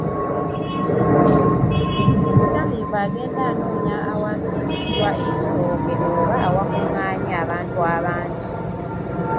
Omutamiivu agenda anoonya awasimbiddwa ebitooke oba awakunganye abantu abangi.